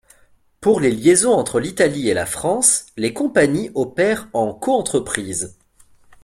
Pour les liaisons entre l'Italie et la France, les compagnies opèrent en coentreprise.